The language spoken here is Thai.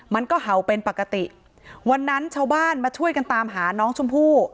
มันก็เห่าเป็นปกติวันนั้นชาวบ้านมาช่วยกันตามหาน้องชมพู่